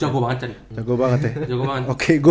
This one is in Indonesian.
jago macet jago banget ya jago banget